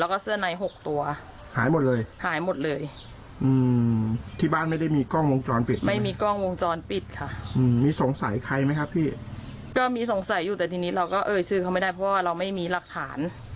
ก็มีสงสัยอยู่แต่ทีนี้เราก็เอ่ยชื่อเขาไม่ได้เพราะว่าเราไม่มีรักฐาน